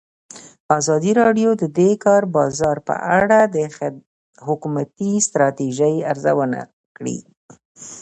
ازادي راډیو د د کار بازار په اړه د حکومتي ستراتیژۍ ارزونه کړې.